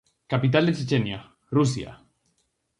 Capital de Chechenia, Rusia.